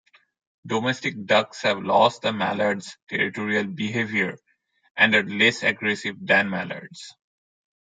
Domestic ducks have lost the mallard's territorial behaviour, and are less aggressive than mallards.